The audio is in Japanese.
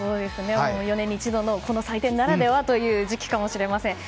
４年に一度の祭典ならではという時期かもしれません。